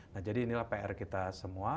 nah jadi inilah pr kita semua